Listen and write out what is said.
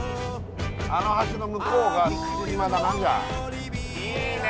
あの橋の向こうが生口島だなじゃあいいね！